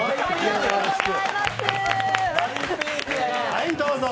はい、どうぞ。